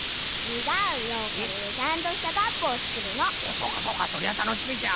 そうかそうかそりゃたのしみじゃ。